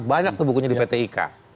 banyak tuh bukunya di pt ika